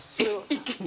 一気に？